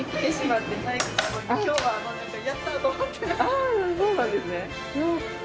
ああそうなんですね！